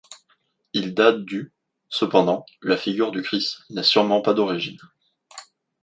Il date du cependant la figure du Christ n'est sûrement pas d'origine.